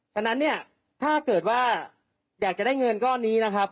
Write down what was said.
ฉะนั้นเนี่ยถ้าเกิดว่าอยากจะได้เงินก้อนนี้นะครับ